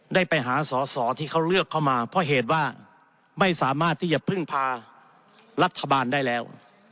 ได้ไปหาสอสอที่เขาเลือกเข้ามาเพราะเหตุว่าไม่สามารถที่จะพึ่งพารัฐบาลได้แล้ว